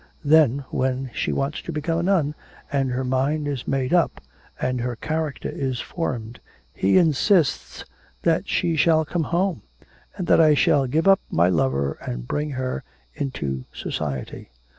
Then, when she wants to become a nun, and her mind is made up, and her character is formed, he insists that she shall come home, and that I shall give up my lover and bring her into society.